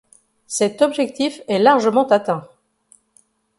Cet objectif est largement atteint.